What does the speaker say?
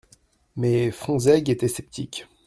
Mais Fonsègue était sceptique.